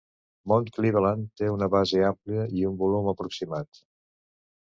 Mount Cleveland té una base àmplia i un volum aproximat.